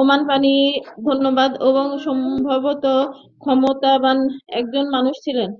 ওসমান গনি ধনবান এবং সম্ভবত ক্ষমতাবান একজন মানুষ ছিলেন।